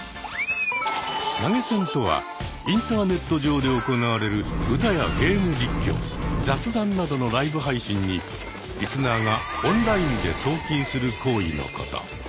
投げ銭とはインターネット上で行われる歌やゲーム実況雑談などのライブ配信にリスナーがオンラインで送金する行為のこと。